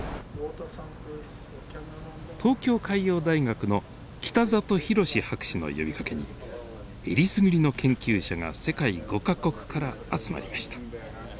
東京海洋大学の北里洋博士の呼びかけにえりすぐりの研究者が世界５か国から集まりました。